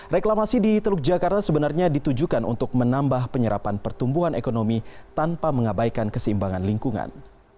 reklamasi di teluk jakarta sebenarnya ditujukan untuk menambah penyerapan pertumbuhan ekonomi tanpa mengabaikan keseimbangan lingkungan